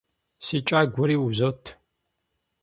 Си кӀагуэри узот.